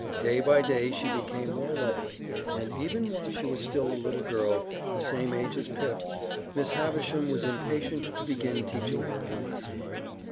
Day by day she became more lovely, and even while she was still a little girl, the same age as Pip, Miss Havisham was impatient to begin teaching her her lesson.